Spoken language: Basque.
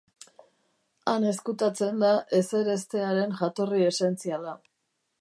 Han ezkutatzen da ezereztearen jatorri esentziala.